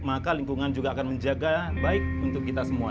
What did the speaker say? maka lingkungan juga akan menjaga baik untuk kita semua